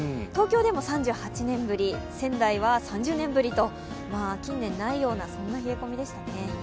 東京でも３８年ぶり、仙台は３０年ぶりと近年にないような冷え込みでしたね。